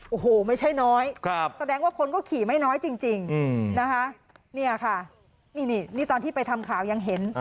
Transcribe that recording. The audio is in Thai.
โอ้โหไม่ใช่น้อยแสดงว่าคนก็ขี่ไม่น้อยจริงนะคะเนี่ยค่ะนี่ตอนที่ไปทำข่าวยังเห็น